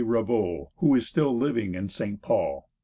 Ravoux, who is still living in St. Paul.